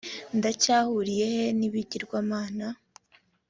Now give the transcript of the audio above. ndacyahuriye he n ibigirwamana